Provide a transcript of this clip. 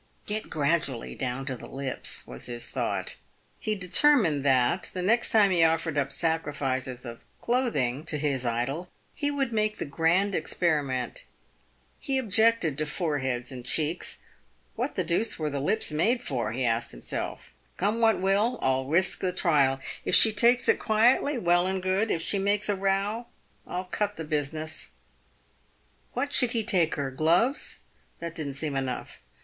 " Get gradually down to the lips," was his thought. He determined that, the next time he offered up sacrifices of cloth ing to his idol, he would make the grand experiment. He objected to foreheads and cheeks. " What the deuce were the lips made for ?" he asked himself. " Come what will, I'll risk the trial. If she takes it quietly, well and good ; if she makes a row, I'll cut the business." "What should he take her ? Gloves ? That didn't seem enough.